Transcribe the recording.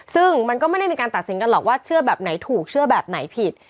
ซึ่งมันก็ไม่ได้มีการตัดสินกันหรอกว่าเชื่อแบบไหนถูกเชื่อแบบไหนผิด